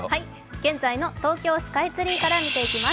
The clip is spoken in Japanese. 現在の東京スカイツリーから見ていきます。